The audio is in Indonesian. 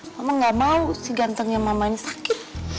mama gak mau si gantengnya mamanya sakit